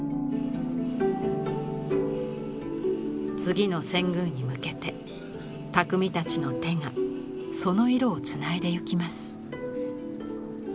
次の遷宮に向けて匠たちの手がその色をつないでゆきます。